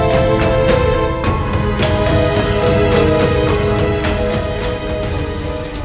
terima kasih nyai